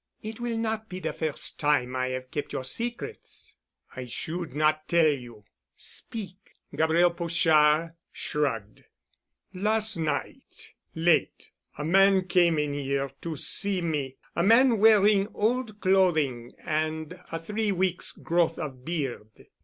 "It will not be the first time I have kept your secrets." "I should not tell you." "Speak——" Gabriel Pochard shrugged. "Last night, late, a man came in here to see me, a man wearing old clothing and a three weeks' growth of beard.